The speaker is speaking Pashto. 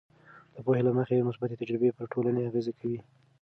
د پوهې له مخې، مثبتې تجربې پر ټولنې اغیز کوي.